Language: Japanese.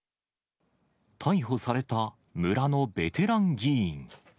逮捕された村のベテラン議員。